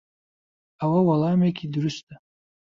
ئەوە وەڵامێکی دروستە.